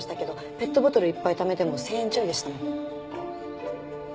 ペットボトルいっぱいためても１０００円ちょいでしたもん。